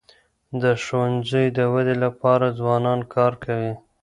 د ښوونځیو د ودی لپاره ځوانان کار کوي.